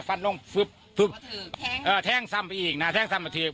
ฟันลงฟึบฟึบอ่าแทงทำไปอีกน่ะแทงทำอีกน่ะ